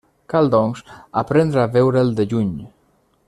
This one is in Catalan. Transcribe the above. Cal, doncs, aprendre a veure'l de lluny.